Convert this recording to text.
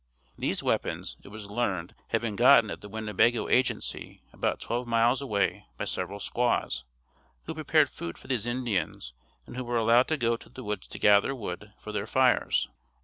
These weapons, it was learned had been gotten at the Winnebago agency about twelve miles away by several squaws, who prepared food for these Indians and who were allowed to go to the woods to gather wood for their fires.